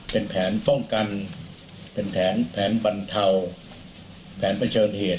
เป็นแผนป้องกันเป็นแผนบรรเทาแผนเผชิญเหตุ